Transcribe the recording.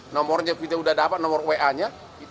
nomornya kita sudah dapat nomor wa nya